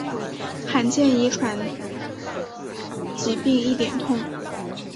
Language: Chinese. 罕见遗传疾病一点通